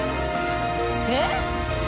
えっ！？